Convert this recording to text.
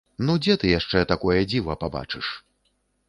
Ну дзе ты яшчэ такое дзіва пабачыш?